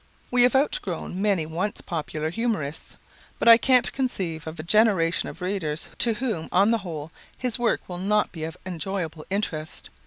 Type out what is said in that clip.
We have outgrown many once popular humorists. But I can't conceive of a generation of readers to whom, on the whole, his work will not be of enjoyable interest.